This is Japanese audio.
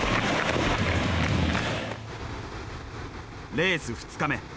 レース２日目。